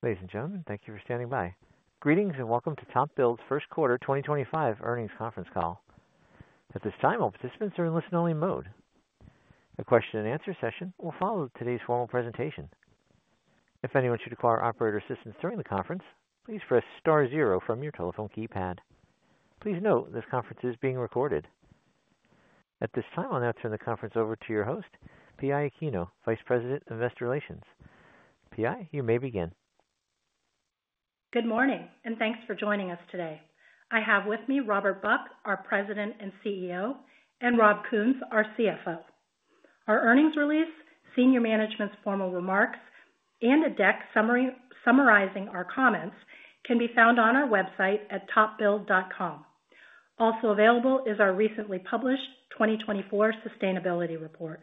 Ladies and gentlemen, thank you for standing by. Greetings and welcome to TopBuild's first quarter 2025 earnings conference call. At this time, all participants are in listen-only mode. A question-and-answer session will follow today's formal presentation. If anyone should require operator assistance during the conference, please press star zero from your telephone keypad. Please note this conference is being recorded. At this time, I'll now turn the conference over to your host, PI Aquino, Vice President of Investor Relations. PI, you may begin. Good morning, and thanks for joining us today. I have with me Robert Buck, our President and CEO, and Rob Kuhns, our CFO. Our earnings release, senior management's formal remarks, and a deck summarizing our comments can be found on our website at topbuild.com. Also available is our recently published 2024 Sustainability Report.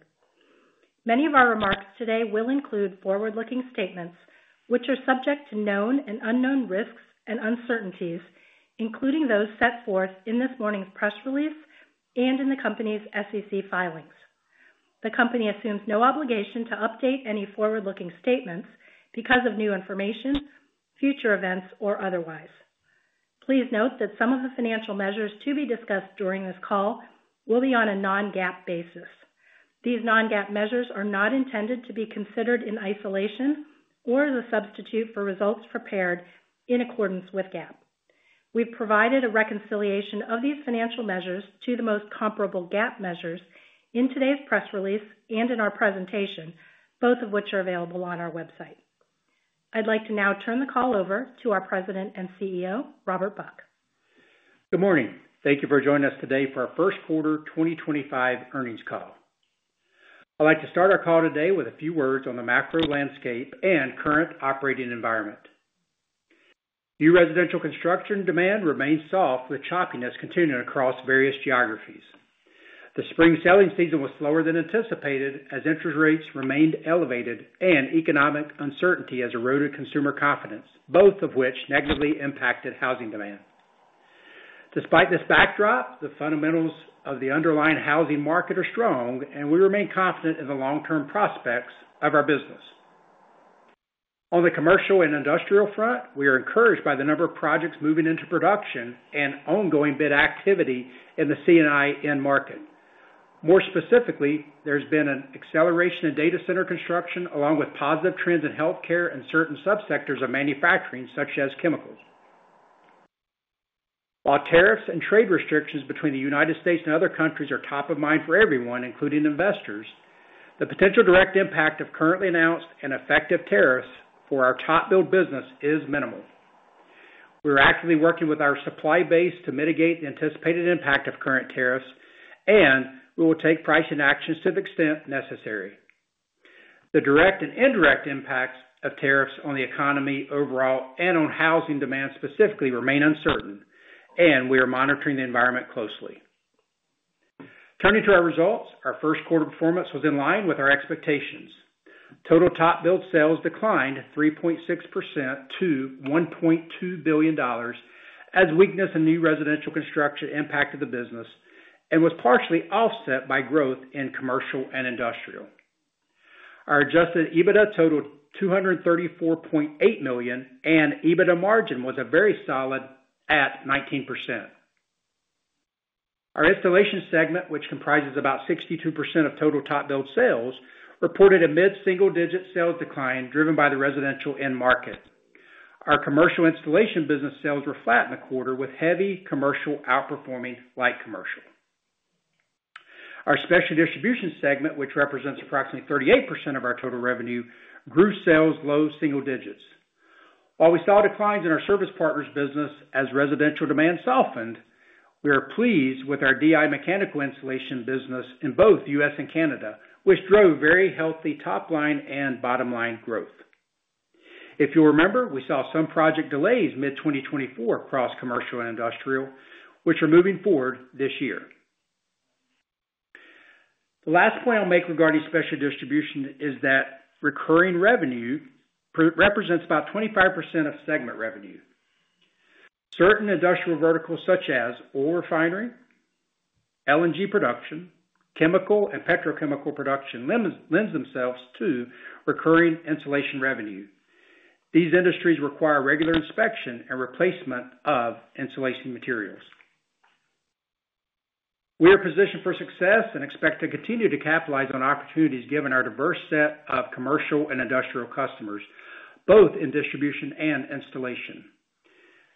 Many of our remarks today will include forward-looking statements, which are subject to known and unknown risks and uncertainties, including those set forth in this morning's press release and in the company's SEC filings. The company assumes no obligation to update any forward-looking statements because of new information, future events, or otherwise. Please note that some of the financial measures to be discussed during this call will be on a non-GAAP basis. These non-GAAP measures are not intended to be considered in isolation or as a substitute for results prepared in accordance with GAAP. We've provided a reconciliation of these financial measures to the most comparable GAAP measures in today's press release and in our presentation, both of which are available on our website. I'd like to now turn the call over to our President and CEO, Robert Buck. Good morning. Thank you for joining us today for our first quarter 2025 earnings call. I'd like to start our call today with a few words on the macro landscape and current operating environment. New residential construction demand remains soft, with choppiness continuing across various geographies. The spring selling season was slower than anticipated, as interest rates remained elevated, and economic uncertainty has eroded consumer confidence, both of which negatively impacted housing demand. Despite this backdrop, the fundamentals of the underlying housing market are strong, and we remain confident in the long-term prospects of our business. On the commercial and industrial front, we are encouraged by the number of projects moving into production and ongoing bid activity in the CNIN market. More specifically, there's been an acceleration in data center construction, along with positive trends in healthcare and certain subsectors of manufacturing, such as chemicals. While tariffs and trade restrictions between the United States and other countries are top of mind for everyone, including investors, the potential direct impact of currently announced and effective tariffs for our TopBuild business is minimal. We are actively working with our supply base to mitigate the anticipated impact of current tariffs, and we will take pricing actions to the extent necessary. The direct and indirect impacts of tariffs on the economy overall and on housing demand specifically remain uncertain, and we are monitoring the environment closely. Turning to our results, our first quarter performance was in line with our expectations. Total TopBuild sales declined 3.6% to $1.2 billion as weakness in new residential construction impacted the business and was partially offset by growth in commercial and industrial. Our adjusted EBITDA totaled $234.8 million, and EBITDA margin was very solid at 19%. Our installation segment, which comprises about 62% of total TopBuild sales, reported a mid-single-digit sales decline driven by the residential end market. Our commercial installation business sales were flat in the quarter, with heavy commercial outperforming light commercial. Our special distribution segment, which represents approximately 38% of our total revenue, grew sales low single digits. While we saw declines in our service partners' business as residential demand softened, we are pleased with our DI mechanical installation business in both the U.S. and Canada, which drove very healthy top-line and bottom-line growth. If you'll remember, we saw some project delays mid-2024 across commercial and industrial, which are moving forward this year. The last point I'll make regarding special distribution is that recurring revenue represents about 25% of segment revenue. Certain industrial verticals, such as oil refinery, LNG production, chemical, and petrochemical production, lend themselves to recurring installation revenue. These industries require regular inspection and replacement of installation materials. We are positioned for success and expect to continue to capitalize on opportunities given our diverse set of commercial and industrial customers, both in distribution and installation.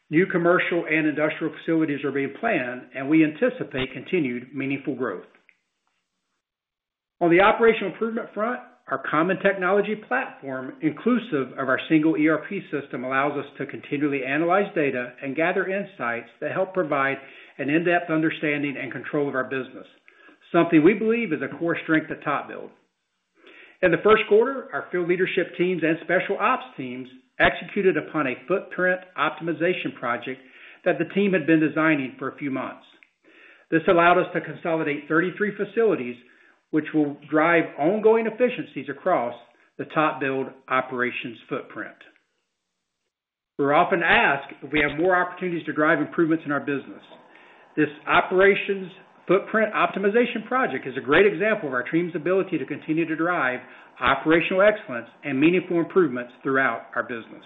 New commercial and industrial facilities are being planned, and we anticipate continued meaningful growth. On the operational improvement front, our common technology platform, inclusive of our single ERP system, allows us to continually analyze data and gather insights that help provide an in-depth understanding and control of our business, something we believe is a core strength of TopBuild. In the first quarter, our field leadership teams and special ops teams executed upon a footprint optimization project that the team had been designing for a few months. This allowed us to consolidate 33 facilities, which will drive ongoing efficiencies across the TopBuild operations footprint. We're often asked if we have more opportunities to drive improvements in our business. This operations footprint optimization project is a great example of our team's ability to continue to drive operational excellence and meaningful improvements throughout our business.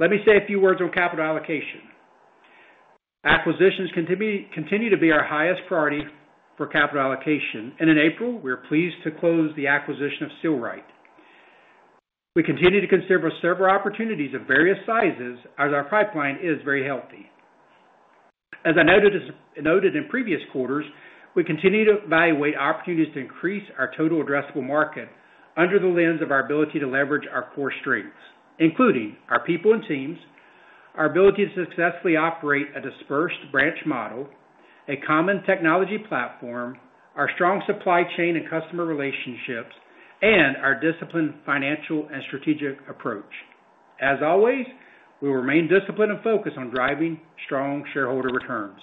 Let me say a few words on capital allocation. Acquisitions continue to be our highest priority for capital allocation, and in April, we are pleased to close the acquisition of Seal-Rite. We continue to consider several opportunities of various sizes, as our pipeline is very healthy. As I noted in previous quarters, we continue to evaluate opportunities to increase our total addressable market under the lens of our ability to leverage our core strengths, including our people and teams, our ability to successfully operate a dispersed branch model, a common technology platform, our strong supply chain and customer relationships, and our disciplined financial and strategic approach. As always, we will remain disciplined and focused on driving strong shareholder returns.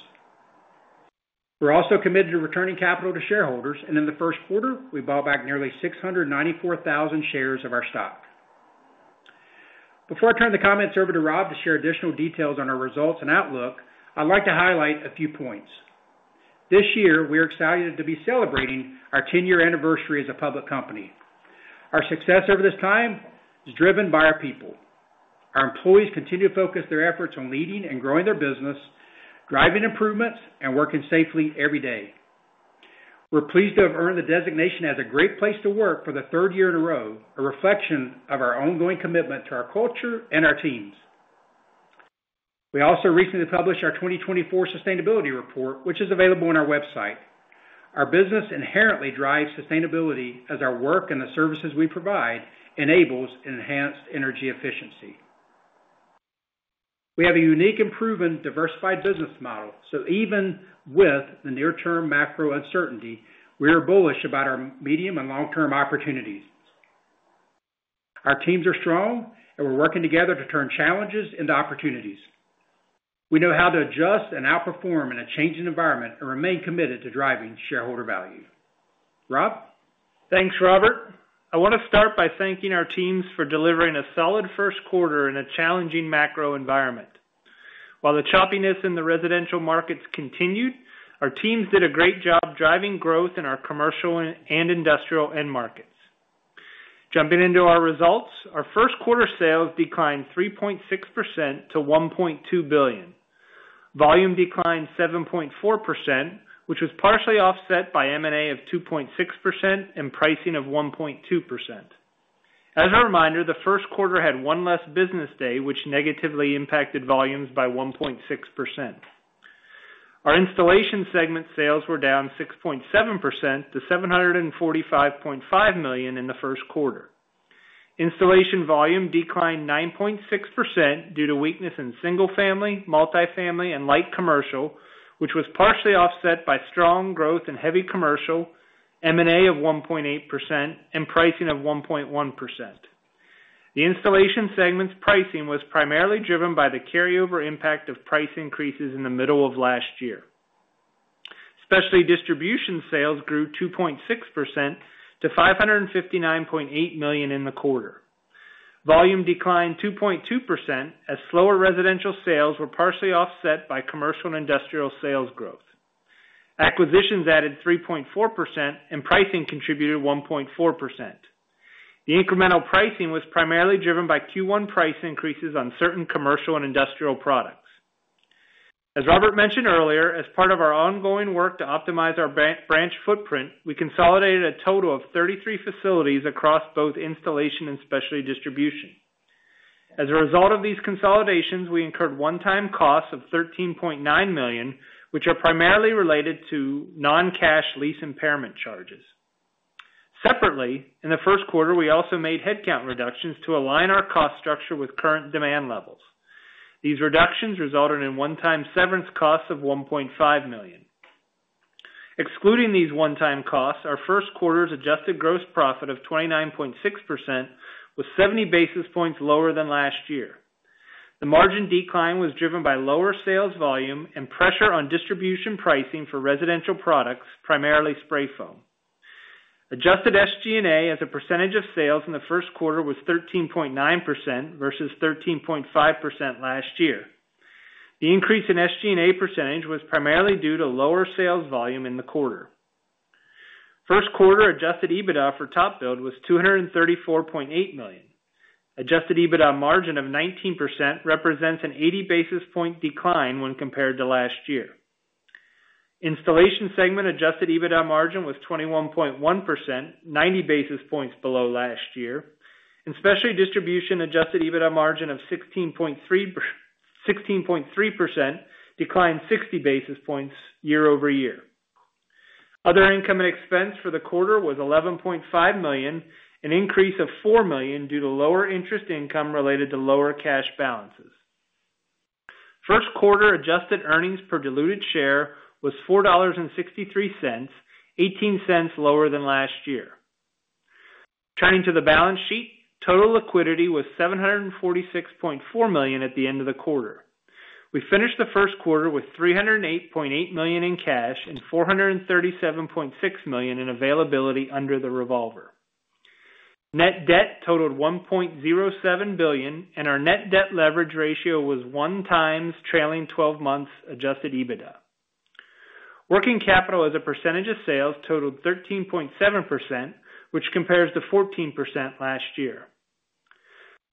We're also committed to returning capital to shareholders, and in the first quarter, we bought back nearly 694,000 shares of our stock. Before I turn the comments over to Rob to share additional details on our results and outlook, I'd like to highlight a few points. This year, we are excited to be celebrating our 10-year anniversary as a public company. Our success over this time is driven by our people. Our employees continue to focus their efforts on leading and growing their business, driving improvements, and working safely every day. We're pleased to have earned the designation as a great place to work for the third year in a row, a reflection of our ongoing commitment to our culture and our teams. We also recently published our 2024 Sustainability Report, which is available on our website. Our business inherently drives sustainability as our work and the services we provide enable enhanced energy efficiency. We have a unique, improved, and diversified business model, so even with the near-term macro uncertainty, we are bullish about our medium and long-term opportunities. Our teams are strong, and we're working together to turn challenges into opportunities. We know how to adjust and outperform in a changing environment and remain committed to driving shareholder value. Rob? Thanks, Robert. I want to start by thanking our teams for delivering a solid first quarter in a challenging macro environment. While the choppiness in the residential markets continued, our teams did a great job driving growth in our commercial and industrial end markets. Jumping into our results, our first quarter sales declined 3.6% to $1.2 billion. Volume declined 7.4%, which was partially offset by M&A of 2.6% and pricing of 1.2%. As a reminder, the first quarter had one less business day, which negatively impacted volumes by 1.6%. Our installation segment sales were down 6.7% to $745.5 million in the first quarter. Installation volume declined 9.6% due to weakness in single-family, multi-family, and light commercial, which was partially offset by strong growth in heavy commercial, M&A of 1.8%, and pricing of 1.1%. The installation segment's pricing was primarily driven by the carryover impact of price increases in the middle of last year. Special distribution sales grew 2.6% to $559.8 million in the quarter. Volume declined 2.2% as slower residential sales were partially offset by commercial and industrial sales growth. Acquisitions added 3.4%, and pricing contributed 1.4%. The incremental pricing was primarily driven by Q1 price increases on certain commercial and industrial products. As Robert mentioned earlier, as part of our ongoing work to optimize our branch footprint, we consolidated a total of 33 facilities across both installation and special distribution. As a result of these consolidations, we incurred one-time costs of $13.9 million, which are primarily related to non-cash lease impairment charges. Separately, in the first quarter, we also made headcount reductions to align our cost structure with current demand levels. These reductions resulted in one-time severance costs of $1.5 million. Excluding these one-time costs, our first quarter's adjusted gross profit of 29.6% was 70 basis points lower than last year. The margin decline was driven by lower sales volume and pressure on distribution pricing for residential products, primarily spray foam. Adjusted SG&A as a percentage of sales in the first quarter was 13.9% versus 13.5% last year. The increase in SG&A percentage was primarily due to lower sales volume in the quarter. First quarter adjusted EBITDA for TopBuild was $234.8 million. Adjusted EBITDA margin of 19% represents an 80 basis point decline when compared to last year. Installation segment adjusted EBITDA margin was 21.1%, 90 basis points below last year. In special distribution, adjusted EBITDA margin of 16.3% declined 60 basis points year over year. Other income and expense for the quarter was $11.5 million, an increase of $4 million due to lower interest income related to lower cash balances. First quarter adjusted earnings per diluted share was $4.63, $0.18 lower than last year. Turning to the balance sheet, total liquidity was $746.4 million at the end of the quarter. We finished the first quarter with $308.8 million in cash and $437.6 million in availability under the revolver. Net debt totaled $1.07 billion, and our net debt leverage ratio was one times trailing 12 months adjusted EBITDA. Working capital as a percentage of sales totaled 13.7%, which compares to 14% last year.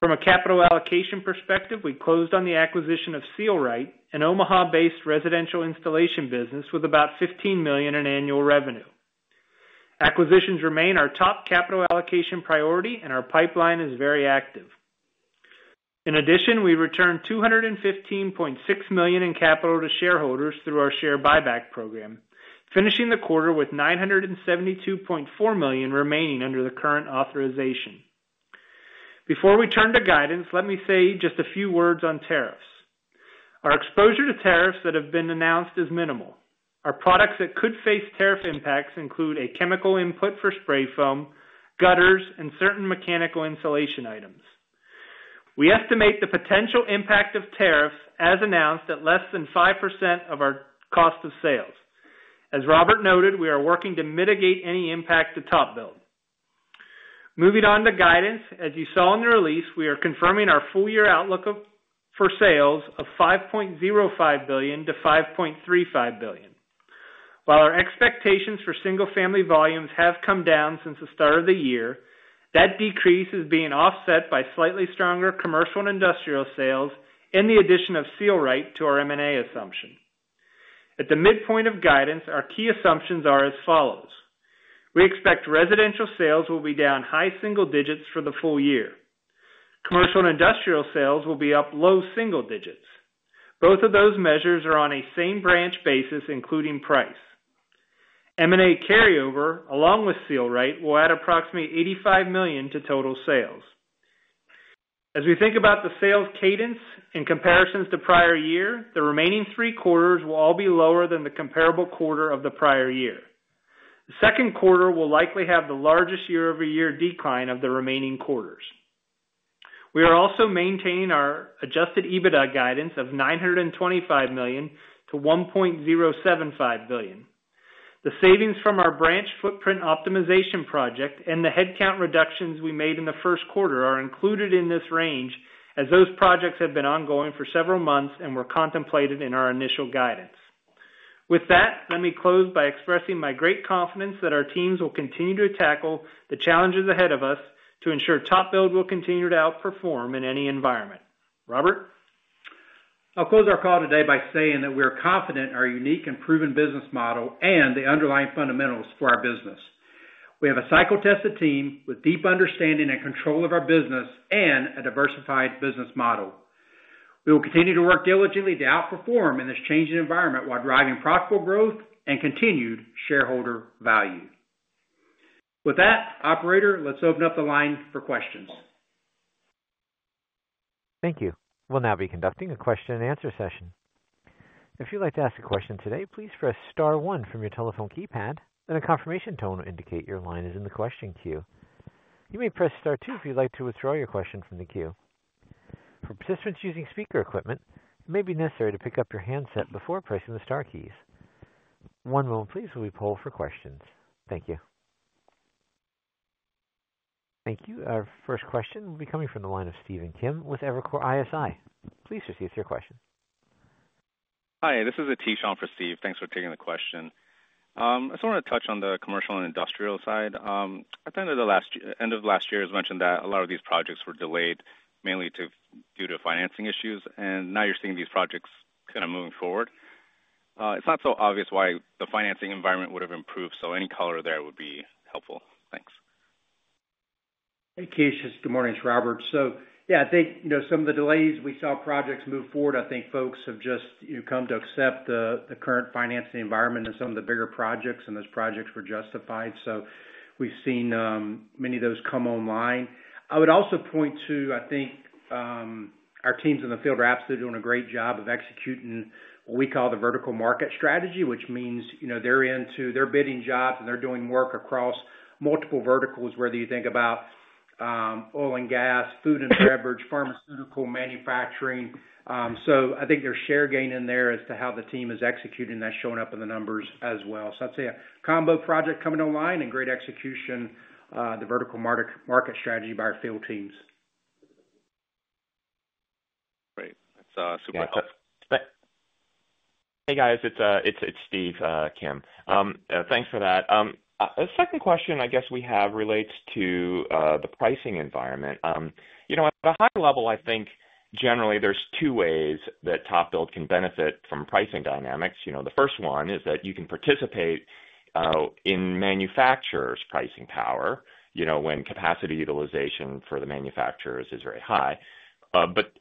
From a capital allocation perspective, we closed on the acquisition of Seal-Rite, an Omaha-based residential installation business with about $15 million in annual revenue. Acquisitions remain our top capital allocation priority, and our pipeline is very active. In addition, we returned $215.6 million in capital to shareholders through our share buyback program, finishing the quarter with $972.4 million remaining under the current authorization. Before we turn to guidance, let me say just a few words on tariffs. Our exposure to tariffs that have been announced is minimal. Our products that could face tariff impacts include a chemical input for spray foam, gutters, and certain mechanical installation items. We estimate the potential impact of tariffs, as announced, at less than 5% of our cost of sales. As Robert noted, we are working to mitigate any impact to TopBuild. Moving on to guidance, as you saw in the release, we are confirming our full-year outlook for sales of $5.05 billion-$5.35 billion. While our expectations for single-family volumes have come down since the start of the year, that decrease is being offset by slightly stronger commercial and industrial sales and the addition of Seal-Rite to our M&A assumption. At the midpoint of guidance, our key assumptions are as follows. We expect residential sales will be down high single digits for the full year. Commercial and industrial sales will be up low single digits. Both of those measures are on a same branch basis, including price. M&A carryover, along with Seal-Rite, will add approximately $85 million to total sales. As we think about the sales cadence in comparison to prior year, the remaining three quarters will all be lower than the comparable quarter of the prior year. The second quarter will likely have the largest year-over-year decline of the remaining quarters. We are also maintaining our adjusted EBITDA guidance of $925 million-$1.075 billion. The savings from our branch footprint optimization project and the headcount reductions we made in the first quarter are included in this range as those projects have been ongoing for several months and were contemplated in our initial guidance. With that, let me close by expressing my great confidence that our teams will continue to tackle the challenges ahead of us to ensure TopBuild will continue to outperform in any environment. Robert? I'll close our call today by saying that we are confident in our unique and proven business model and the underlying fundamentals for our business. We have a cycle-tested team with deep understanding and control of our business and a diversified business model. We will continue to work diligently to outperform in this changing environment while driving profitable growth and continued shareholder value. With that, Operator, let's open up the line for questions. Thank you. We'll now be conducting a question-and-answer session. If you'd like to ask a question today, please press star one from your telephone keypad, and a confirmation tone will indicate your line is in the question queue. You may press star two if you'd like to withdraw your question from the queue. For participants using speaker equipment, it may be necessary to pick up your handset before pressing the star keys. One moment, please, while we pull for questions. Thank you. Thank you. Our first question will be coming from the line of Stephen Kim with Evercore ISI. Please proceed with your question. Hi. This is Aatish on for Steve. Thanks for taking the question. I just want to touch on the commercial and industrial side. At the end of last year, as mentioned, a lot of these projects were delayed mainly due to financing issues, and now you're seeing these projects kind of moving forward. It's not so obvious why the financing environment would have improved, so any color there would be helpful. Thanks. Hey, Aatish. Good morning. It's Robert. Yeah, I think some of the delays, we saw projects move forward. I think folks have just come to accept the current financing environment, and some of the bigger projects and those projects were justified, so we've seen many of those come online. I would also point to, I think, our teams in the field are absolutely doing a great job of executing what we call the vertical market strategy, which means they're bidding jobs and they're doing work across multiple verticals, whether you think about oil and gas, food and beverage, pharmaceutical manufacturing. I think there's share gain in there as to how the team is executing that, showing up in the numbers as well. I'd say a combo project coming online and great execution, the vertical market strategy by our field teams. Great. That's super helpful. Hey, guys. It's Steve Kim. Thanks for that. The second question I guess we have relates to the pricing environment. At a high level, I think, generally, there's two ways that TopBuild can benefit from pricing dynamics. The first one is that you can participate in manufacturers' pricing power when capacity utilization for the manufacturers is very high.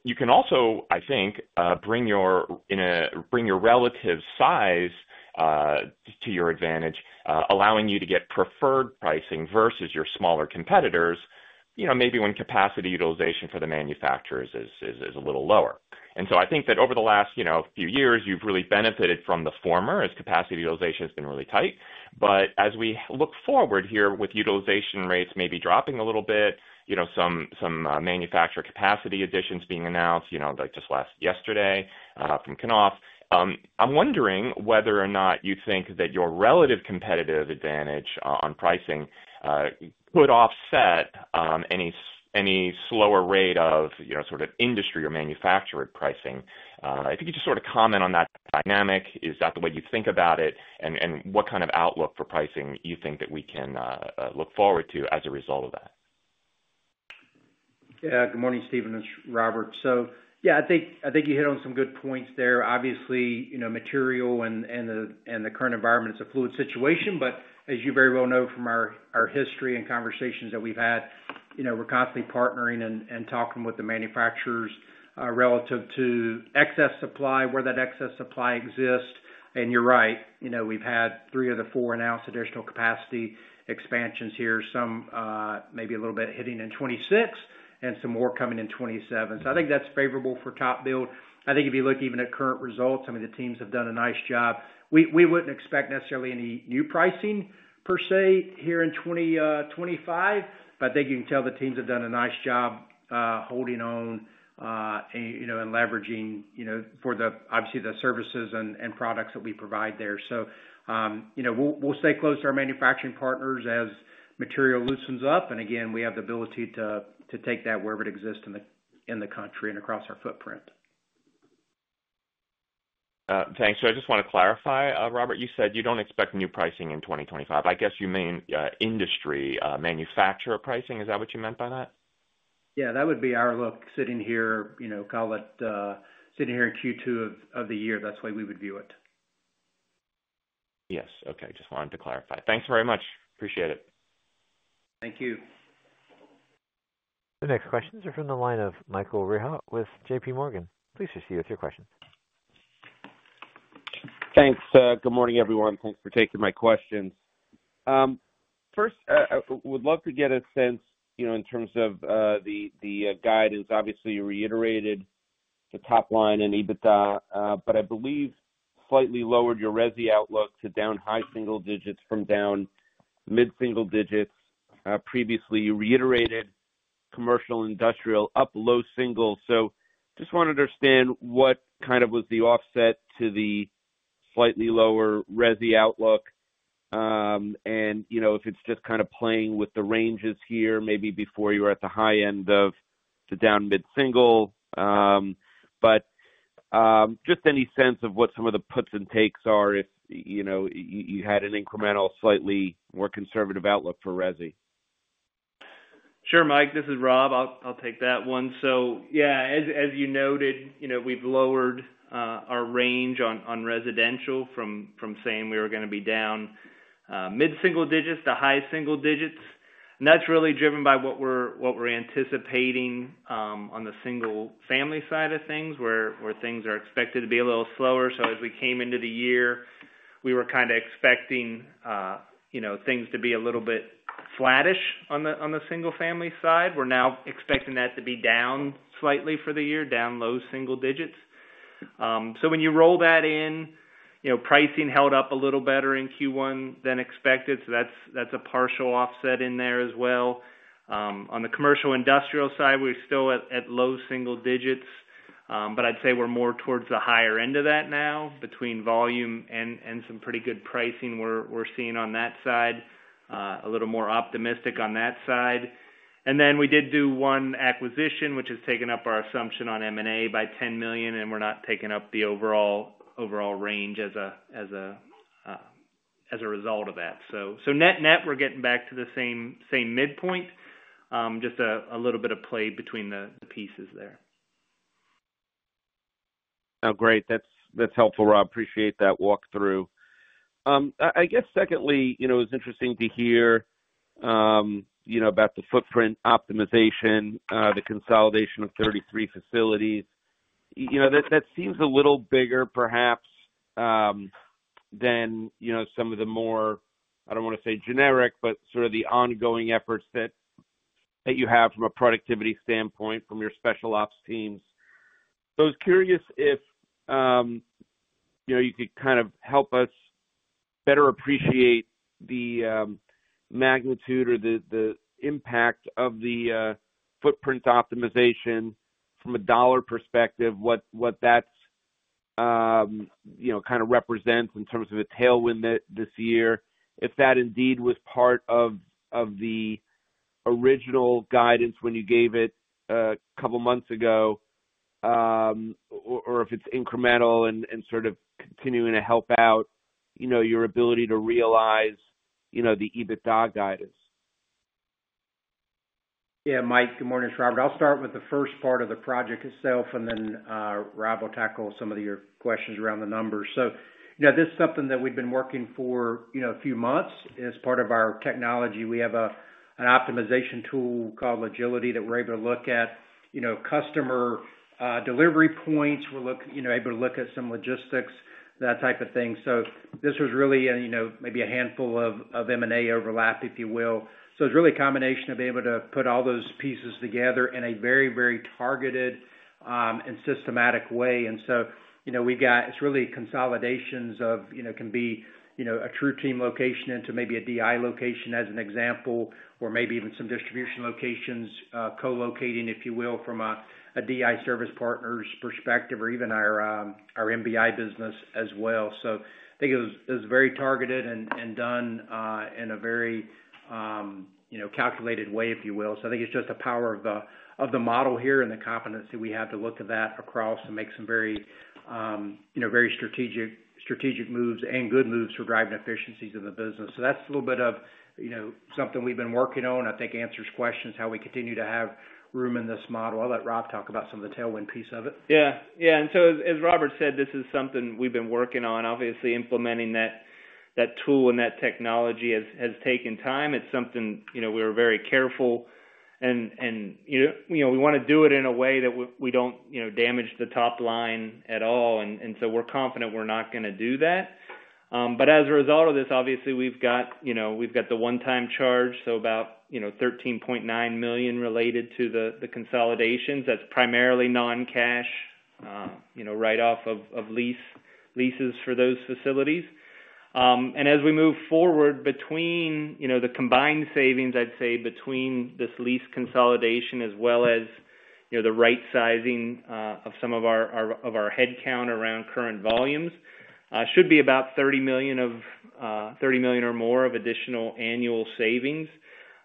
You can also, I think, bring your relative size to your advantage, allowing you to get preferred pricing versus your smaller competitors, maybe when capacity utilization for the manufacturers is a little lower. I think that over the last few years, you've really benefited from the former as capacity utilization has been really tight. As we look forward here with utilization rates maybe dropping a little bit, some manufacturer capacity additions being announced, like just yesterday from Knauf, I'm wondering whether or not you think that your relative competitive advantage on pricing could offset any slower rate of sort of industry or manufacturer pricing. If you could just sort of comment on that dynamic, is that the way you think about it, and what kind of outlook for pricing you think that we can look forward to as a result of that? Yeah. Good morning, Steven. It's Robert. Yeah, I think you hit on some good points there. Obviously, material and the current environment is a fluid situation. As you very well know from our history and conversations that we've had, we're constantly partnering and talking with the manufacturers relative to excess supply, where that excess supply exists. You're right. We've had three of the four announced additional capacity expansions here, some maybe a little bit hitting in 2026 and some more coming in 2027. I think that's favorable for TopBuild. I think if you look even at current results, the teams have done a nice job. We wouldn't expect necessarily any new pricing per se here in 2025, but you can tell the teams have done a nice job holding on and leveraging for, obviously, the services and products that we provide there. We'll stay close to our manufacturing partners as material loosens up. Again, we have the ability to take that wherever it exists in the country and across our footprint. Thanks. I just want to clarify, Robert. You said you don't expect new pricing in 2025. I guess you mean industry manufacturer pricing. Is that what you meant by that? Yeah. That would be our look sitting here, call it sitting here in Q2 of the year. That's the way we would view it. Yes. Okay. Just wanted to clarify. Thanks very much. Appreciate it. Thank you. The next questions are from the line of Michael Rehaut with JPMorgan. Please proceed with your question. Thanks. Good morning, everyone. Thanks for taking my questions. First, I would love to get a sense in terms of the guidance. Obviously, you reiterated the top line and EBITDA, but I believe slightly lowered your RESI outlook to down high single digits from down mid single digits. Previously, you reiterated commercial, industrial, up low single. Just want to understand what kind of was the offset to the slightly lower RESI outlook and if it's just kind of playing with the ranges here, maybe before you were at the high end of the down mid single. Just any sense of what some of the puts and takes are if you had an incremental, slightly more conservative outlook for RESI. Sure, Mike. This is Rob. I'll take that one. Yeah, as you noted, we've lowered our range on residential from saying we were going to be down mid single digits to high single digits. That's really driven by what we're anticipating on the single family side of things, where things are expected to be a little slower. As we came into the year, we were kind of expecting things to be a little bit flattish on the single family side. We're now expecting that to be down slightly for the year, down low single digits. When you roll that in, pricing held up a little better in Q1 than expected. That's a partial offset in there as well. On the commercial-industrial side, we're still at low single digits, but I'd say we're more towards the higher end of that now between volume and some pretty good pricing we're seeing on that side, a little more optimistic on that side. We did do one acquisition, which has taken up our assumption on M&A by $10 million, and we're not taking up the overall range as a result of that. Net-net, we're getting back to the same midpoint, just a little bit of play between the pieces there. Oh, great. That's helpful, Rob. Appreciate that walkthrough. I guess, secondly, it was interesting to hear about the footprint optimization, the consolidation of 33 facilities. That seems a little bigger, perhaps, than some of the more, I don't want to say generic, but sort of the ongoing efforts that you have from a productivity standpoint from your special ops teams. I was curious if you could kind of help us better appreciate the magnitude or the impact of the footprint optimization from a dollar perspective, what that kind of represents in terms of a tailwind this year, if that indeed was part of the original guidance when you gave it a couple of months ago, or if it's incremental and sort of continuing to help out your ability to realize the EBITDA guidance. Yeah. Mike, good morning. It's Robert. I'll start with the first part of the project itself, and then Rob will tackle some of your questions around the numbers. This is something that we've been working for a few months as part of our technology. We have an optimization tool called Agility that we're able to look at customer delivery points. We're able to look at some logistics, that type of thing. This was really maybe a handful of M&A overlap. It's really a combination of being able to put all those pieces together in a very, very targeted and systematic way. We have really consolidations of, can be a true team location into maybe a DI location as an example, or maybe even some distribution locations co-locating from a DI service partner's perspective, or even our MBI business as well. I think it was very targeted and done in a very calculated way. I think it is just the power of the model here and the competency we have to look at that across to make some very strategic moves and good moves for driving efficiencies in the business. That is a little bit of something we have been working on. I think it answers questions how we continue to have room in this model. I will let Rob talk about some of the tailwind piece of it. Yeah. As Robert said, this is something we have been working on. Obviously, implementing that tool and that technology has taken time. It's something we were very careful, and we want to do it in a way that we don't damage the top line at all. We're confident we're not going to do that. As a result of this, obviously, we've got the one-time charge, so about $13.9 million related to the consolidations. That's primarily non-cash write-off of leases for those facilities. As we move forward, the combined savings, I'd say, between this lease consolidation as well as the right-sizing of some of our headcount around current volumes should be about $30 million or more of additional annual savings.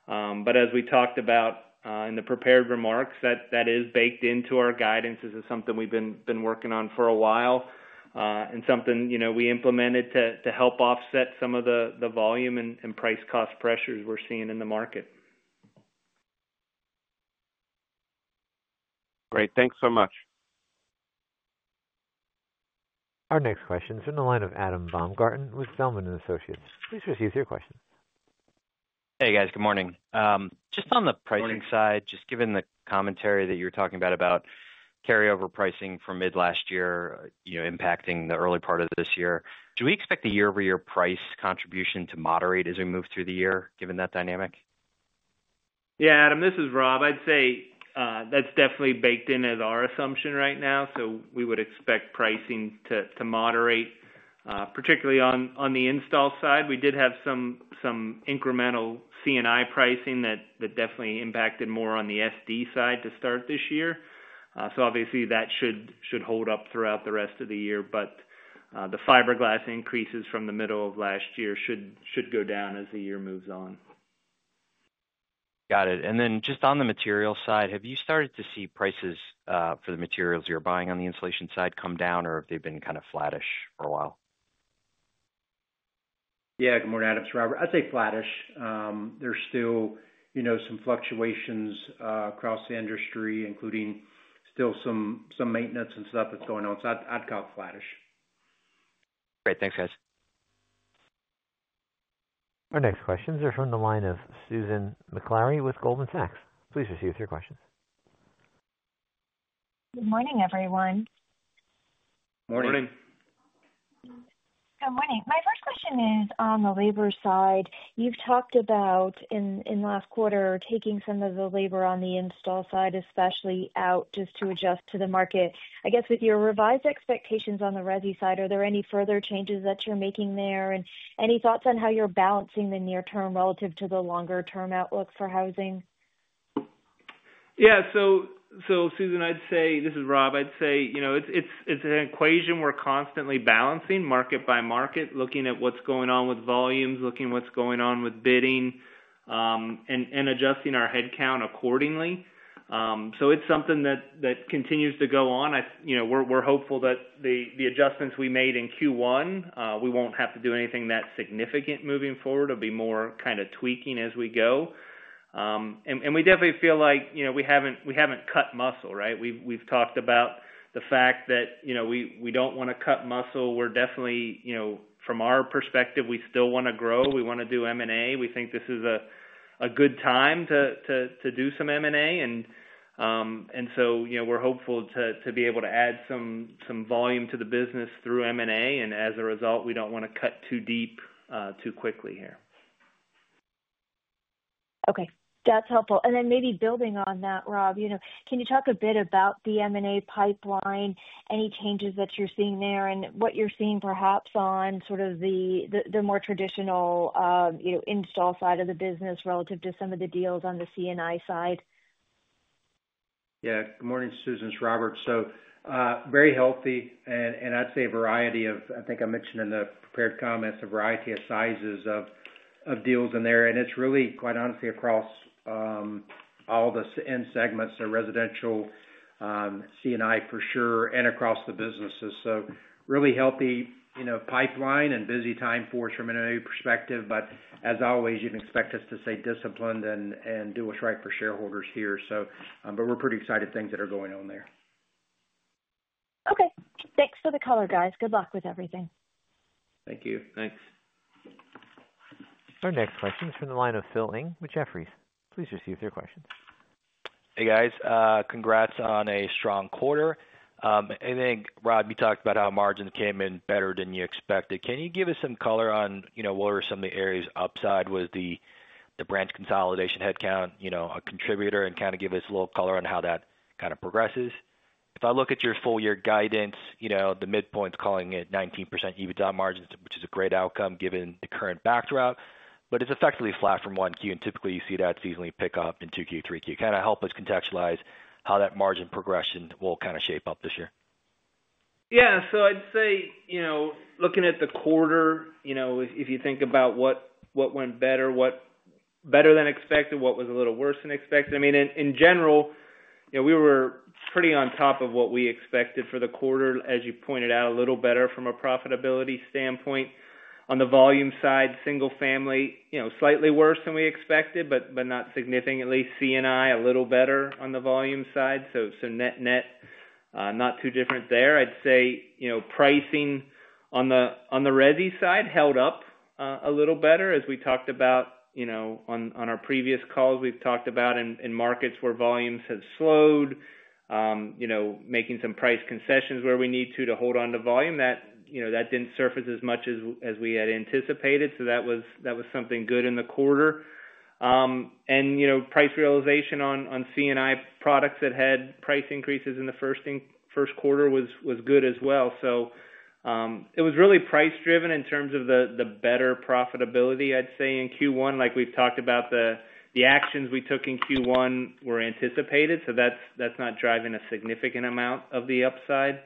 As we talked about in the prepared remarks, that is baked into our guidance. This is something we've been working on for a while and something we implemented to help offset some of the volume and price cost pressures we're seeing in the market. Great. Thanks so much. Our next question is from the line of Adam Baumgarten with Zelman & Associates. Please proceed with your questions. Hey, guys. Good morning. Just on the pricing side, just given the commentary that you were talking about, about carryover pricing from mid last year impacting the early part of this year, do we expect the year-over-year price contribution to moderate as we move through the year, given that dynamic? Yeah. Adam, this is Rob. I'd say that's definitely baked in as our assumption right now. We would expect pricing to moderate, particularly on the install side. We did have some incremental C&I pricing that definitely impacted more on the SD side to start this year. That should hold up throughout the rest of the year. The fiberglass increases from the middle of last year should go down as the year moves on. Got it. Just on the material side, have you started to see prices for the materials you're buying on the insulation side come down, or have they been kind of flattish for a while? Yeah. Good morning, Adam. Robert. I'd say flattish. There's still some fluctuations across the industry, including still some maintenance and stuff that's going on. So I'd call it flattish. Great. Thanks, guys. Our next questions are from the line of Susan Maklari with Goldman Sachs. Please proceed with your questions. Good morning, everyone. Morning. Morning. Good morning. My first question is on the labor side. You've talked about in the last quarter taking some of the labor on the install side, especially out just to adjust to the market. I guess with your revised expectations on the RESI side, are there any further changes that you're making there? Any thoughts on how you're balancing the near-term relative to the longer-term outlook for housing? Susan, I'd say this is Rob. I'd say it's an equation we're constantly balancing market by market, looking at what's going on with volumes, looking at what's going on with bidding, and adjusting our headcount accordingly. It's something that continues to go on. We're hopeful that the adjustments we made in Q1, we won't have to do anything that significant moving forward. It'll be more kind of tweaking as we go. We definitely feel like we haven't cut muscle, right? We've talked about the fact that we don't want to cut muscle. We're definitely, from our perspective, we still want to grow. We want to do M&A. We think this is a good time to do some M&A. We're hopeful to be able to add some volume to the business through M&A. As a result, we don't want to cut too deep too quickly here. Okay. That's helpful. Maybe building on that, Rob, can you talk a bit about the M&A pipeline, any changes that you're seeing there, and what you're seeing perhaps on the more traditional install side of the business relative to some of the deals on the C&I side? Yeah. Good morning, Susan. It's Robert. Very healthy. I'd say a variety of, I think I mentioned in the prepared comments, a variety of sizes of deals in there. It's really, quite honestly, across all the end segments, residential, C&I for sure, and across the businesses. Really healthy pipeline and busy time for us from an M&A perspective. As always, you can expect us to stay disciplined and do what's right for shareholders here. We're pretty excited about things that are going on there. Okay. Thanks for the call, guys. Good luck with everything. Thank you. Thanks. Our next question is from the line of Phil Ng with Jefferies. Please proceed with your questions. Hey, guys. Congrats on a strong quarter. I think, Rob, you talked about how margins came in better than you expected. Can you give us some color on what were some of the areas upside? Was the branch consolidation headcount a contributor and kind of give us a little color on how that kind of progresses? If I look at your full-year guidance, the midpoint's calling it 19% EBITDA margins, which is a great outcome given the current backdrop. But it's effectively flat from Q1. Typically, you see that seasonally pick up in Q2, Q3. Kind of help us contextualize how that margin progression will kind of shape up this year. Yeah. I'd say looking at the quarter, if you think about what went better, what was better than expected, what was a little worse than expected. I mean, in general, we were pretty on top of what we expected for the quarter, as you pointed out, a little better from a profitability standpoint. On the volume side, single family, slightly worse than we expected, but not significantly. C&I, a little better on the volume side. Net-net, not too different there. I'd say pricing on the RESI side held up a little better, as we talked about on our previous calls. We've talked about in markets where volumes have slowed, making some price concessions where we need to to hold on to volume. That did not surface as much as we had anticipated. That was something good in the quarter. Price realization on C&I products that had price increases in the first quarter was good as well. It was really price-driven in terms of the better profitability, I'd say, in Q1. Like we've talked about, the actions we took in Q1 were anticipated. That's not driving a significant amount of the upside.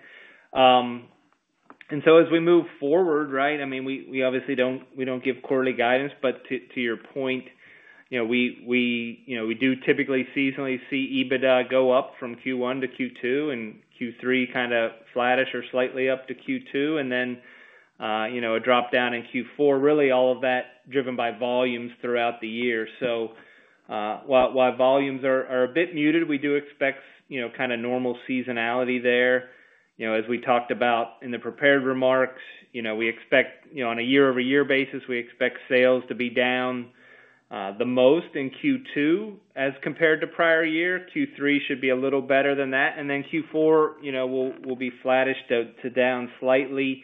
As we move forward, we obviously don't give quarterly guidance. To your point, we do typically seasonally see EBITDA go up from Q1 to Q2 and Q3 kind of flattish or slightly up to Q2, and then a drop down in Q4. Really, all of that driven by volumes throughout the year. While volumes are a bit muted, we do expect kind of normal seasonality there. As we talked about in the prepared remarks, we expect on a year-over-year basis, we expect sales to be down the most in Q2 as compared to prior year. Q3 should be a little better than that. Q4 will be flattish to down slightly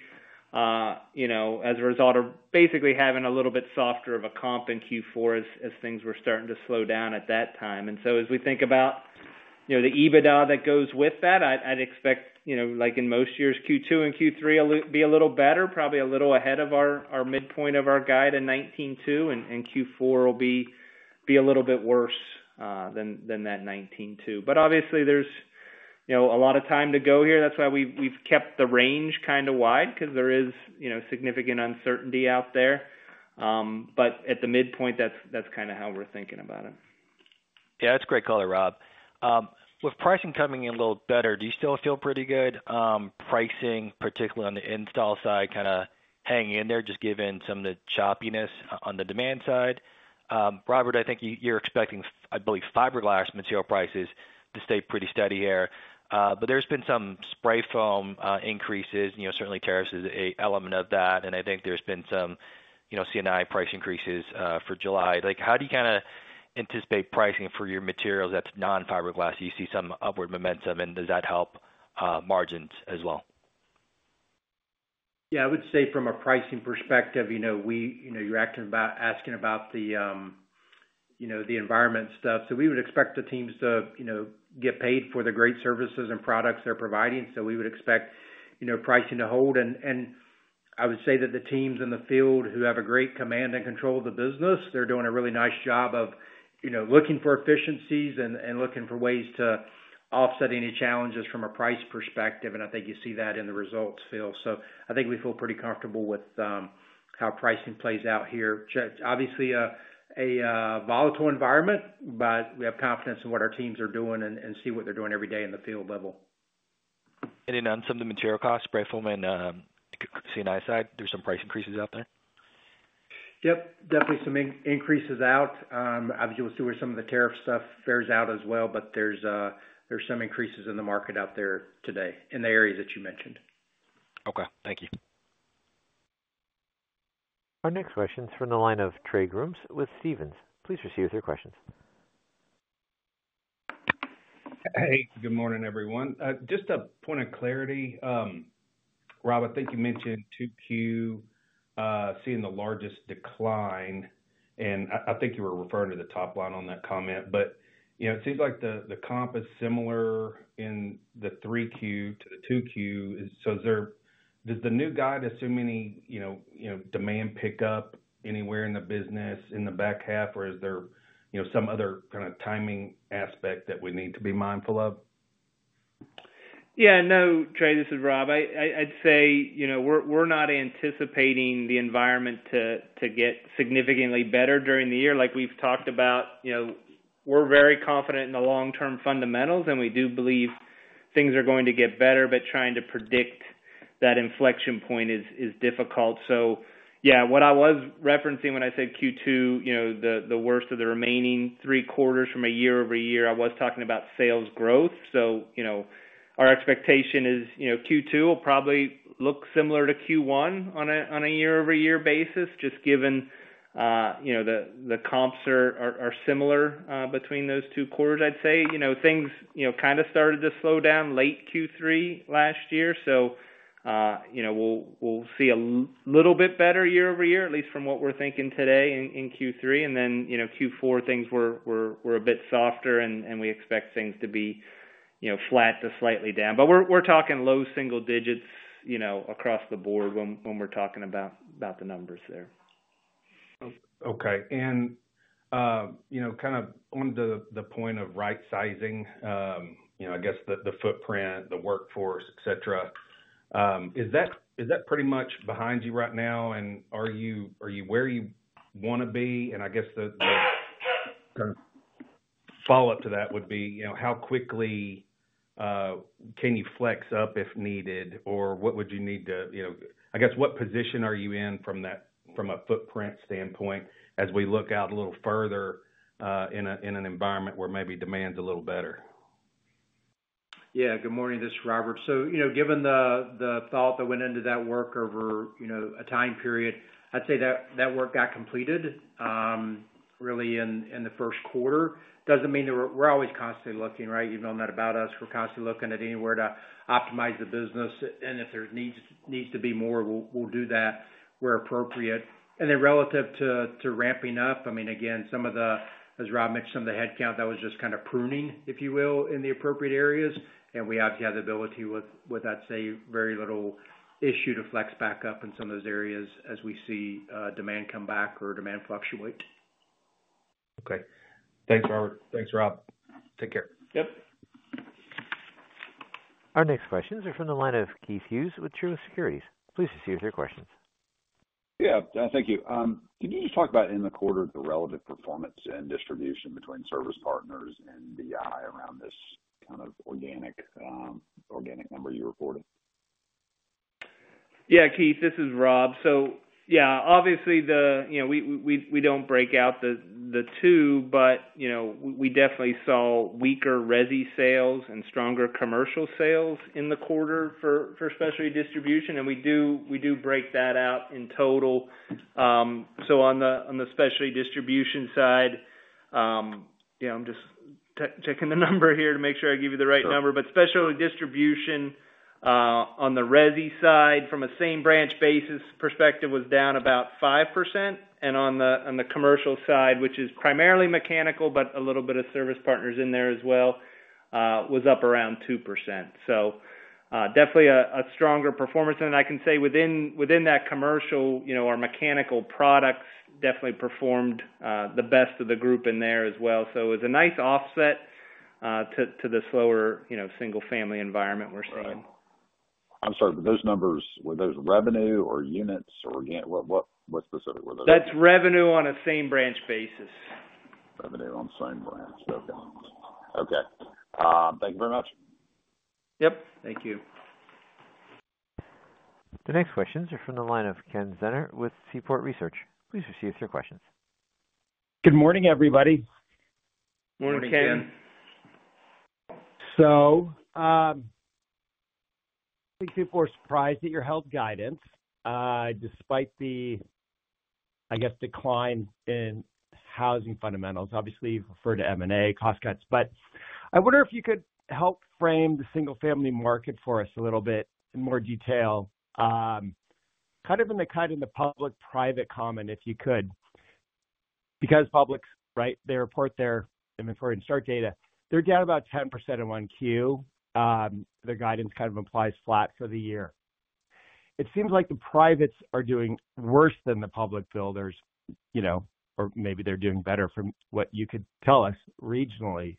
as a result of basically having a little bit softer of a comp in Q4 as things were starting to slow down at that time. As we think about the EBITDA that goes with that, I'd expect, like in most years, Q2 and Q3 will be a little better, probably a little ahead of our midpoint of our guide in 2019/2020, and Q4 will be a little bit worse than that 2019/2020. Obviously, there's a lot of time to go here. That's why we've kept the range kind of wide because there is significant uncertainty out there. At the midpoint, that's kind of how we're thinking about it. Yeah. That's great color, Rob. With pricing coming in a little better, do you still feel pretty good? Pricing, particularly on the install side, kind of hanging in there just given some of the choppiness on the demand side. Robert, I think you're expecting, I believe, fiberglass material prices to stay pretty steady here. There's been some spray foam increases. Certainly, tariffs is an element of that. I think there's been some C&I price increases for July. How do you kind of anticipate pricing for your materials that's non-fiberglass? You see some upward momentum, and does that help margins as well? Yeah. I would say from a pricing perspective, you're asking about the environment stuff. We would expect the teams to get paid for the great services and products they're providing. We would expect pricing to hold. I would say that the teams in the field who have a great command and control of the business, they're doing a really nice job of looking for efficiencies and looking for ways to offset any challenges from a price perspective. I think you see that in the results field. I think we feel pretty comfortable with how pricing plays out here. Obviously, a volatile environment, but we have confidence in what our teams are doing and see what they're doing every day in the field level. On some of the material costs, spray foam and C&I side, there's some price increases out there? Yep. Definitely some increases out. Obviously, we'll see where some of the tariff stuff fares out as well. There are some increases in the market out there today in the areas that you mentioned. Okay. Thank you. Our next question is from the line of Trey Grooms with Stephens. Please proceed with your questions. Hey. Good morning, everyone. Just a point of clarity. Robert, I think you mentioned 2Q seeing the largest decline. I think you were referring to the top line on that comment. It seems like the comp is similar in the 3Q to the 2Q. Does the new guide assume any demand pickup anywhere in the business in the back half, or is there some other kind of timing aspect that we need to be mindful of? No, Trey, this is Rob. I'd say we're not anticipating the environment to get significantly better during the year. Like we've talked about, we're very confident in the long-term fundamentals, and we do believe things are going to get better. But trying to predict that inflection point is difficult. What I was referencing when I said Q2, the worst of the remaining three quarters from a year-over-year, I was talking about sales growth. Our expectation is Q2 will probably look similar to Q1 on a year-over-year basis, just given the comps are similar between those two quarters, I'd say. Things kind of started to slow down late Q3 last year. We'll see a little bit better year-over-year, at least from what we're thinking today in Q3. Q4, things were a bit softer, and we expect things to be flat to slightly down. We're talking low single digits across the board when we're talking about the numbers there. Kind of on the point of right-sizing the footprint, the workforce, etc., is that pretty much behind you right now? Are you where you want to be? The follow-up to that would be how quickly can you flex up if needed, or what position are you in from a footprint standpoint as we look out a little further in an environment where maybe demand's a little better? Yeah. Good morning. This is Robert. Given the thought that went into that work over a time period, I'd say that work got completed really in the first quarter. That does not mean that we're always constantly looking, right? Even though I'm not about us, we're constantly looking at anywhere to optimize the business. If there needs to be more, we'll do that where appropriate. Relative to ramping up, again, some of the, as Rob mentioned, some of the headcount that was just kind of pruning in the appropriate areas. We obviously have the ability with, I'd say, very little issue to flex back up in some of those areas as we see demand come back or demand fluctuate. Okay. Thanks, Robert. Thanks, Rob. Take care. Yep. Our next questions are from the line of Keith Hughes with Truist Securities. Please proceed with your questions. Thank you. Can you just talk about in the quarter the relative performance and distribution between service partners and BI around this kind of organic number you reported? Yeah. Keith, this is Rob. Yeah, obviously, we do not break out the two, but we definitely saw weaker RESI sales and stronger commercial sales in the quarter for specialty distribution. We do break that out in total. On the specialty distribution side, I am just checking the number here to make sure I give you the right number. Specialty distribution on the RESI side, from a same branch basis perspective, was down about 5%. On the commercial side, which is primarily mechanical, but a little bit of service partners in there as well, was up around 2%. Definitely a stronger performance. I can say within that commercial, our mechanical products definitely performed the best of the group in there as well. It was a nice offset to the slower single family environment we are seeing. I'm sorry, but those numbers, were those revenue or units or what specifically were those? That's revenue on a same branch basis. Revenue on the same branch. Thank you very much. Yep. Thank you. The next questions are from the line of Ken Zener with Seaport Research Partners. Please proceed with your questions. Good morning, everybody. Morning, Ken. Morning, Ken. I think people are surprised that you held guidance despite the decline in housing fundamentals. Obviously, you've referred to M&A, cost cuts. I wonder if you could help frame the single family market for us a little bit in more detail, in the public-private comment, if you could. Because public, they report their inventory and start data, they're down about 10% in 1Q. Their guidance kind of implies flat for the year. It seems like the privates are doing worse than the public builders, or maybe they're doing better from what you could tell us regionally.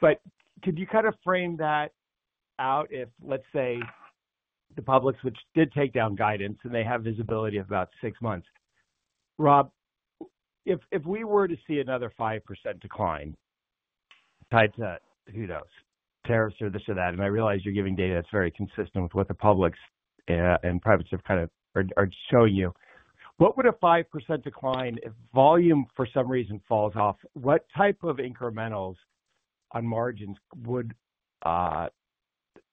Could you kind of frame that out if, let's say, the public, which did take down guidance, and they have visibility of about six months? Rob, if we were to see another 5% decline tied to, who knows, tariffs or this or that, and I realize you're giving data that's very consistent with what the public's and privates have kind of are showing you, what would a 5% decline if volume, for some reason, falls off? What type of incrementals on margins would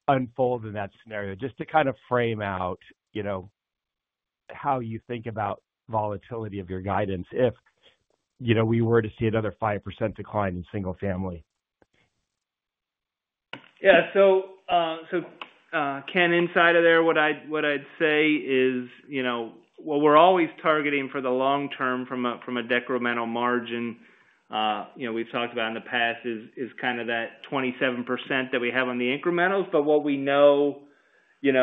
unfold in that scenario? Just to kind of frame out how you think about volatility of your guidance if we were to see another 5% decline in single family. Ken, inside of there, what I'd say is, we're always targeting for the long term from a decremental margin. We've talked about in the past is kind of that 27% that we have on the incrementals. What we know is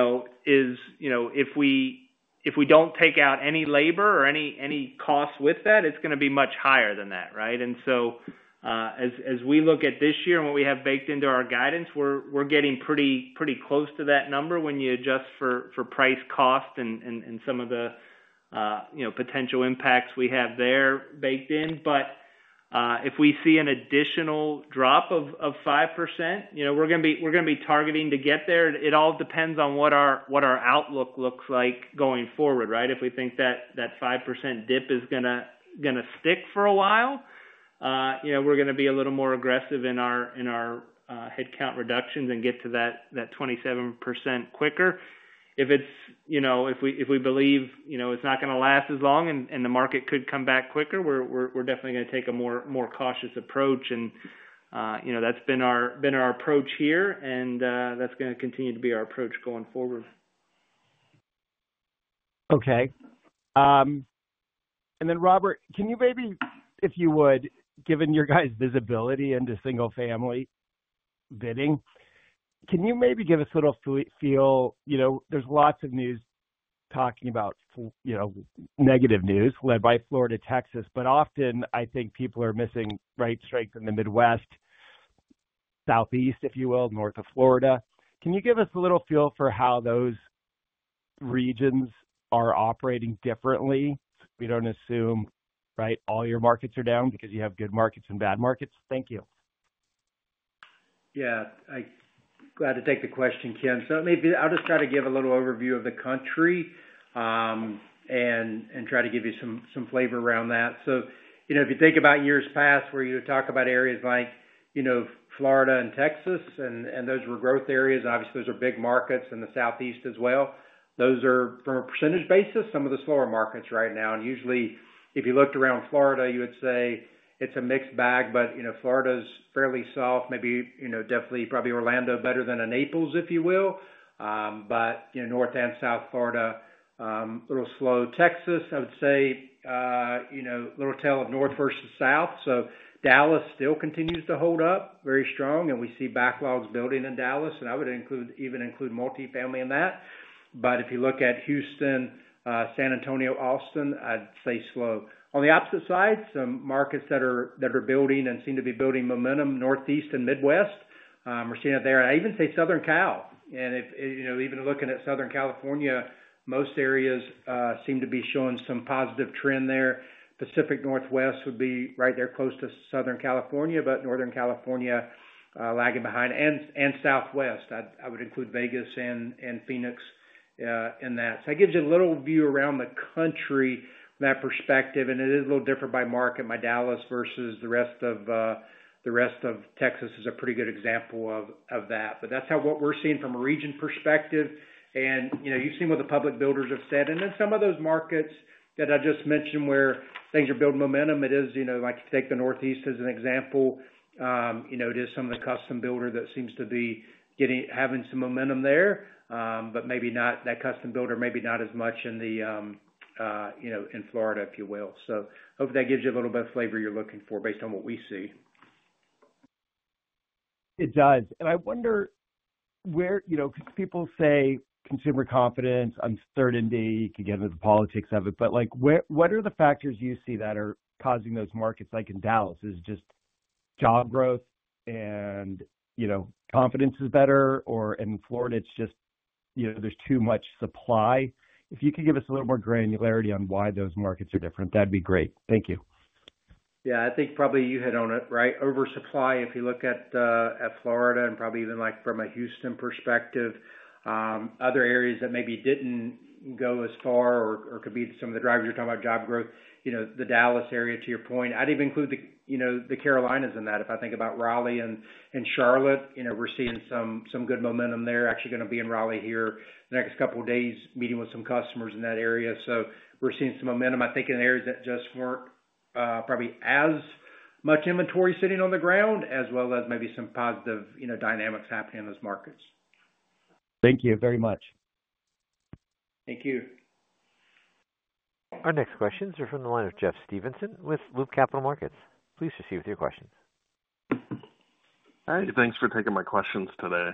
if we do not take out any labor or any costs with that, it is going to be much higher than that. As we look at this year and what we have baked into our guidance, we are getting pretty close to that number when you adjust for price cost and some of the potential impacts we have there baked in. If we see an additional drop of 5%, we are going to be targeting to get there. It all depends on what our outlook looks like going forward. If we think that that 5% dip is going to stick for a while, we are going to be a little more aggressive in our headcount reductions and get to that 27% quicker. If we believe it's not going to last as long and the market could come back quicker, we're definitely going to take a more cautious approach. That's been our approach here, and that's going to continue to be our approach going forward. Okay. Robert, can you maybe, if you would, given your guys' visibility into single family bidding, can you maybe give us a little feel, there's lots of news talking about negative news led by Florida, Texas. Often, I think people are missing right strength in the Midwest, Southeast, north of Florida. Can you give us a little feel for how those regions are operating differently? We don't assume all your markets are down because you have good markets and bad markets. Thank you. Yeah. I'm glad to take the question, Ken. Maybe I'll just try to give a little overview of the country and try to give you some flavor around that. If you think about years past where you would talk about areas like Florida and Texas, and those were growth areas, obviously, those are big markets in the Southeast as well. Those are, from a percentage basis, some of the slower markets right now. Usually, if you looked around Florida, you would say it's a mixed bag, but Florida's fairly soft, maybe definitely probably Orlando better than a Naples. North and South Florida, a little slow. Texas, I would say a little tale of north versus south. Dallas still continues to hold up very strong, and we see backlogs building in Dallas. I would even include multifamily in that. If you look at Houston, San Antonio, Austin, I'd say slow. On the opposite side, some markets that are building and seem to be building momentum, Northeast and Midwest, we're seeing it there. I even say Southern Cal. Even looking at Southern California, most areas seem to be showing some positive trend there. Pacific Northwest would be right there close to Southern California, but Northern California lagging behind. Southwest, I would include Vegas and Phoenix in that. That gives you a little view around the country from that perspective. It is a little different by market. My Dallas versus the rest of Texas is a pretty good example of that. That's what we're seeing from a region perspective. You've seen what the public builders have said. Some of those markets that I just mentioned where things are building momentum, like you take the Northeast as an example. It is some of the custom builder that seems to be having some momentum there, but maybe not that custom builder, maybe not as much in Florida. Hopefully, that gives you a little bit of flavor you're looking for based on what we see. It does. I wonder where, because people say consumer confidence, uncertainty, you can get into the politics of it. What are the factors you see that are causing those markets, like in Dallas, is it just job growth and confidence is better, or in Florida, it's just there's too much supply? If you could give us a little more granularity on why those markets are different, that'd be great. Thank you. I think probably you hit on it. Oversupply, if you look at Florida and probably even from a Houston perspective, other areas that maybe did not go as far or could be some of the drivers you are talking about, job growth, the Dallas area, to your point. I would even include the Carolinas in that. If I think about Raleigh and Charlotte, we are seeing some good momentum there. Actually going to be in Raleigh here the next couple of days, meeting with some customers in that area. We are seeing some momentum, I think, in areas that just were not probably as much inventory sitting on the ground, as well as maybe some positive dynamics happening in those markets. Thank you very much. Thank you. Our next questions are from the line of Jeff Stevenson with Loop Capital Markets. Please proceed with your questions. Hey, thanks for taking my questions today.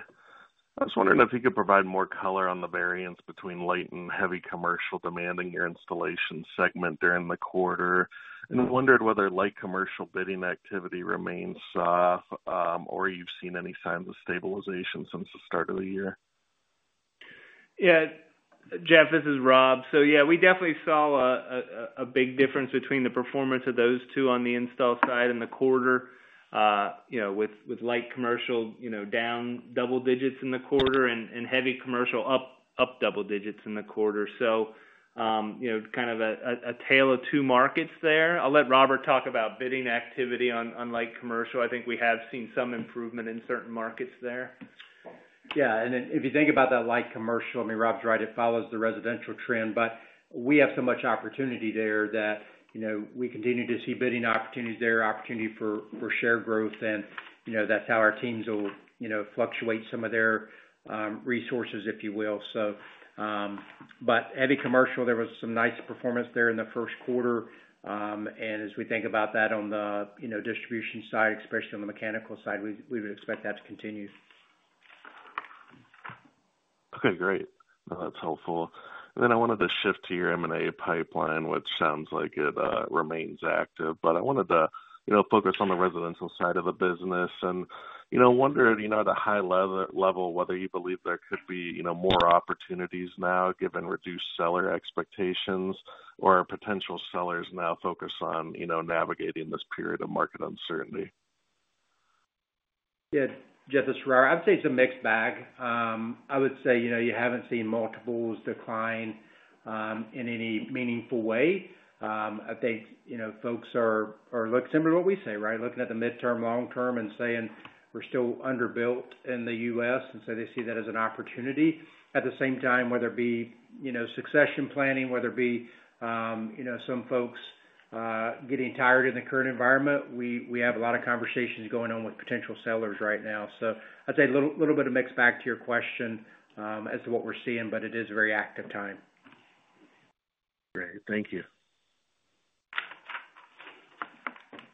I was wondering if you could provide more color on the variance between light and heavy commercial demand in your installation segment during the quarter. We wondered whether light commercial bidding activity remains soft or you've seen any signs of stabilization since the start of the year. Yeah. Jeff, this is Rob. Yeah, we definitely saw a big difference between the performance of those two on the install side in the quarter with light commercial down double digits in the quarter and heavy commercial up double digits in the quarter. Kind of a tale of two markets there. I'll let Robert talk about bidding activity on light commercial. I think we have seen some improvement in certain markets there. Yeah. If you think about that light commercial, I mean, Rob's right. It follows the residential trend. We have so much opportunity there that we continue to see bidding opportunities there, opportunity for share growth. That's how our teams will fluctuate some of their resources. Heavy commercial, there was some nice performance there in the first quarter. As we think about that on the distribution side, especially on the mechanical side, we would expect that to continue. Great. No, that's helpful. I wanted to shift to your M&A pipeline, which sounds like it remains active. I wanted to focus on the residential side of the business. I wondered at a high level whether you believe there could be more opportunities now, given reduced seller expectations, or are potential sellers now focused on navigating this period of market uncertainty? Jeff, this is Robert. I'd say it's a mixed bag. I would say you haven't seen multiples decline in any meaningful way. I think folks are looking similar to what we say. Looking at the midterm, long term, and saying we're still underbuilt in the U.S. And they see that as an opportunity. At the same time, whether it be succession planning, whether it be some folks getting tired in the current environment, we have a lot of conversations going on with potential sellers right now. I'd say a little bit of mixed bag to your question as to what we're seeing, but it is a very active time. Great. Thank you.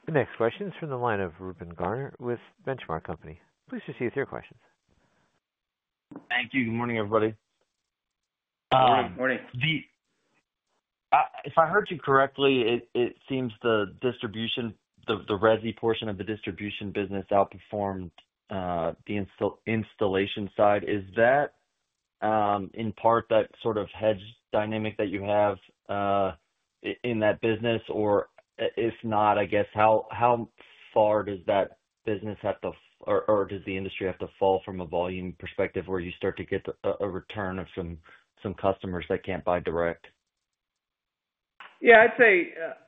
The next question is from the line of Reuben Garner with Benchmark Company. Please proceed with your questions. Thank you. Good morning, everybody. Good morning. If I heard you correctly, it seems the distribution, the RESI portion of the distribution business outperformed the installation side. Is that in part that sort of hedge dynamic that you have in that business? If not, I guess, how far does that business have to or does the industry have to fall from a volume perspective where you start to get a return of some customers that can't buy direct?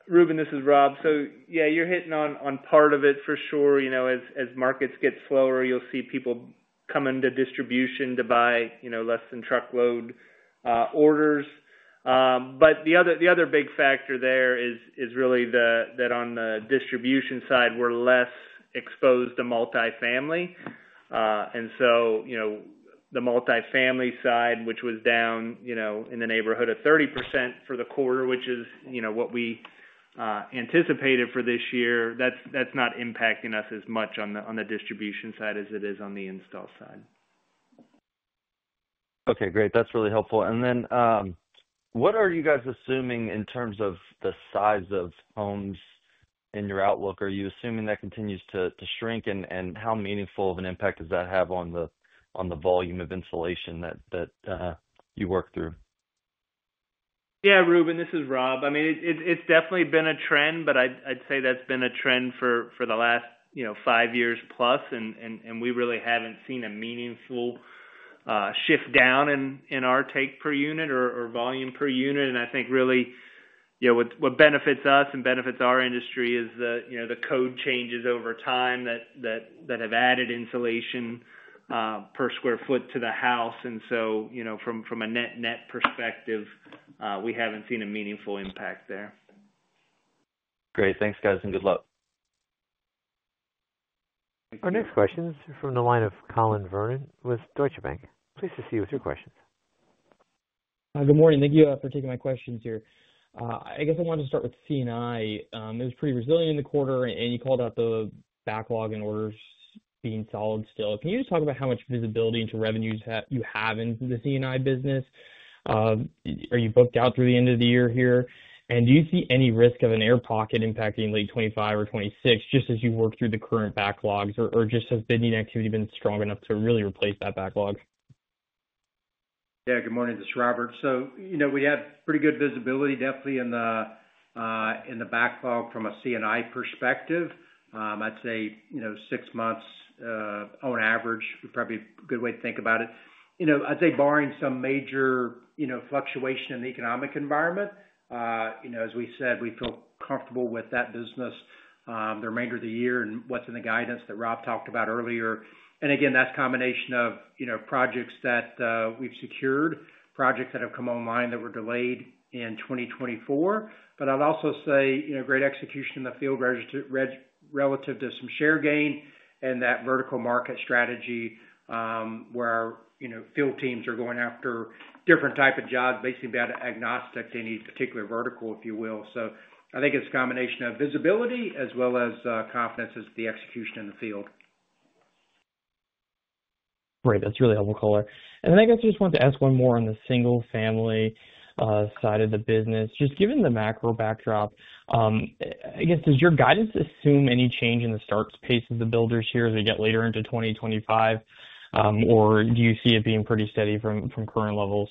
Reuben, this is Rob. You're hitting on part of it for sure. As markets get slower, you'll see people come into distribution to buy less than truckload orders. The other big factor there is really that on the distribution side, we're less exposed to multifamily. The multifamily side, which was down in the neighborhood of 30% for the quarter, which is what we anticipated for this year, that's not impacting us as much on the distribution side as it is on the install side. Great. That's really helpful. What are you guys assuming in terms of the size of homes in your outlook? Are you assuming that continues to shrink, and how meaningful of an impact does that have on the volume of insulation that you work through? Reuben, this is Rob. I mean, it's definitely been a trend, but I'd say that's been a trend for the last five years plus. We really haven't seen a meaningful shift down in our take per unit or volume per unit. I think really what benefits us and benefits our industry is the code changes over time that have added insulation per square foot to the house. From a net-net perspective, we haven't seen a meaningful impact there. Great. Thanks, guys, and good luck. Our next question is from the line of Collin Verron with Deutsche Bank. Please proceed with your questions. Hi, good morning. Thank you for taking my questions here. I guess I wanted to start with C&I. It was pretty resilient in the quarter, and you called out the backlog and orders being solid still. Can you just talk about how much visibility into revenues you have in the C&I business? Are you booked out through the end of the year here? Do you see any risk of an air pocket impacting late 2025 or 2026 just as you work through the current backlogs, or has bidding activity been strong enough to really replace that backlog? Good morning. This is Robert. We have pretty good visibility, definitely in the backlog from a C&I perspective. I'd say six months on average would probably be a good way to think about it. I'd say barring some major fluctuation in the economic environment, as we said, we feel comfortable with that business the remainder of the year and what's in the guidance that Rob talked about earlier. That's a combination of projects that we've secured, projects that have come online that were delayed in 2024. I'd also say great execution in the field relative to some share gain and that vertical market strategy where field teams are going after different types of jobs, basically being agnostic to any particular vertical. I think it's a combination of visibility as well as confidence as the execution in the field. Great. That's really helpful color. I just wanted to ask one more on the single-family side of the business. Just given the macro backdrop, does your guidance assume any change in the start pace of the builders here as we get later into 2025, or do you see it being pretty steady from current levels?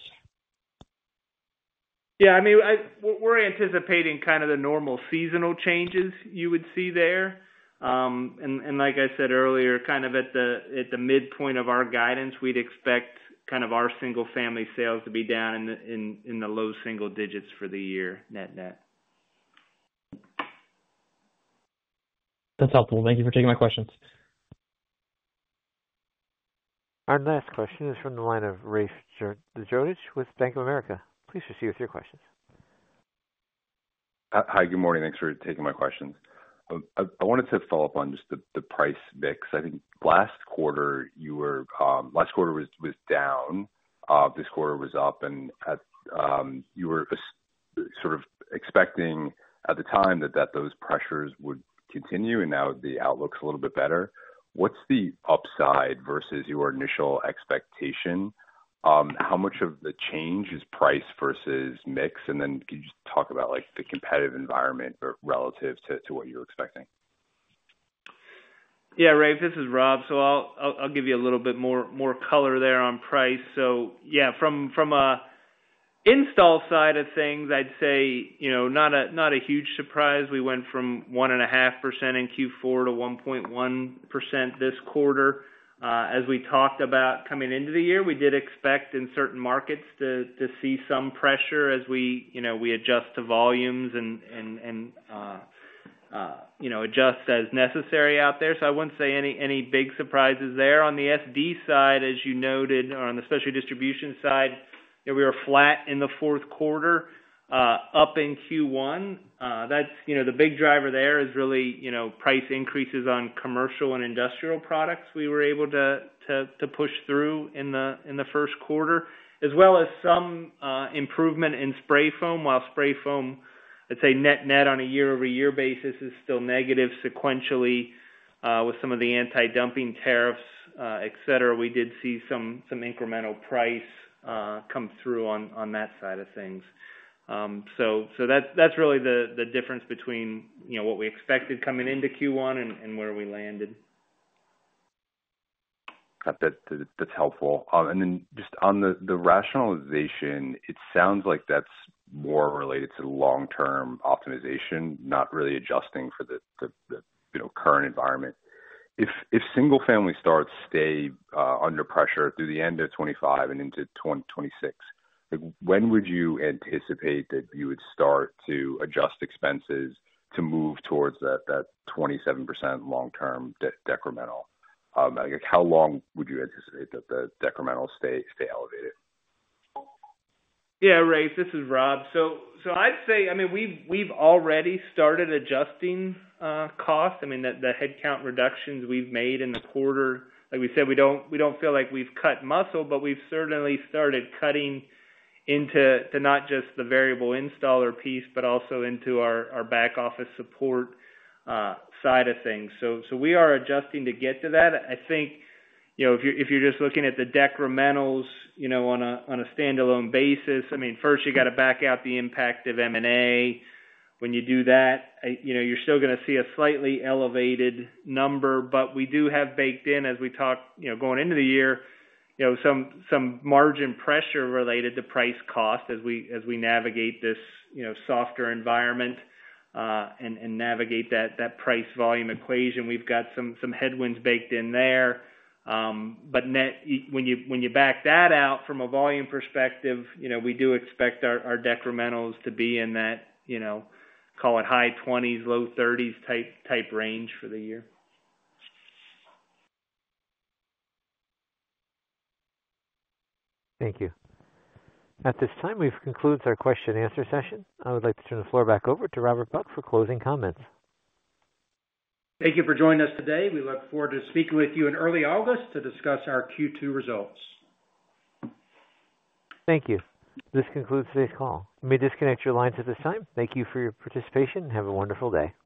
We're anticipating kind of the normal seasonal changes you would see there. Like I said earlier, kind of at the midpoint of our guidance, we'd expect our single-family sales to be down in the low single digits for the year, net-net. That's helpful. Thank you for taking my questions. Our last question is from the line of Rafe Jadrosich with Bank of America. Please proceed with your questions. Hi, good morning. Thanks for taking my questions. I wanted to follow up on just the price mix. I think last quarter, you were last quarter was down. This quarter was up. You were sort of expecting at the time that those pressures would continue, and now the outlook's a little bit better. What's the upside versus your initial expectation? How much of the change is price versus mix? Could you just talk about the competitive environment relative to what you're expecting? Rafe, this is Rob. I'll give you a little bit more color there on price. From an install side of things, I'd say not a huge surprise. We went from 1.5% in Q4 to 1.1% this quarter. As we talked about coming into the year, we did expect in certain markets to see some pressure as we adjust to volumes and adjust as necessary out there. I wouldn't say any big surprises there. On the SD side, as you noted, or on the special distribution side, we were flat in the fourth quarter, up in Q1. The big driver there is really price increases on commercial and industrial products we were able to push through in the first quarter, as well as some improvement in spray foam. While spray foam, I'd say net-net on a year-over-year basis, is still negative sequentially with some of the anti-dumping tariffs, etc., we did see some incremental price come through on that side of things. That is really the difference between what we expected coming into Q1 and where we landed. That's helpful. Then just on the rationalization, it sounds like that's more related to long-term optimization, not really adjusting for the current environment. If single-family starts stay under pressure through the end of 2025 and into 2026, when would you anticipate that you would start to adjust expenses to move towards that 27% long-term decremental? How long would you anticipate that the decremental stay elevated? Rafe, this is Rob. I'd say, I mean, we've already started adjusting costs. I mean, the headcount reductions we've made in the quarter, like we said, we don't feel like we've cut muscle, but we've certainly started cutting into not just the variable installer piece, but also into our back-office support side of things. We are adjusting to get to that. I think if you're just looking at the decrementals on a standalone basis, first, you got to back out the impact of M&A. When you do that, you're still going to see a slightly elevated number. We do have baked in, as we talk going into the year, some margin pressure related to price cost as we navigate this softer environment and navigate that price volume equation. We've got some headwinds baked in there. When you back that out from a volume perspective, we do expect our decrementals to be in that, call it, high 20s- low 30s type range for the year. Thank you. At this time, we have concluded our question-and-answer session. I would like to turn the floor back over to Robert Buck for closing comments. Thank you for joining us today. We look forward to speaking with you in early August to discuss our Q2 results. Thank you. This concludes today's call. Let me disconnect your lines at this time. Thank you for your participation. Have a wonderful day.